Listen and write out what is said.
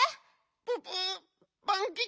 ププパンキチ